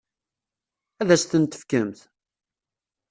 Ad as-ten-tefkemt?